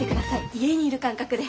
家にいる感覚で。